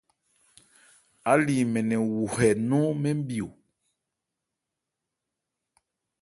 Áli mɛn nɛn wu hɛ nɔn mɛɛ́n mi o.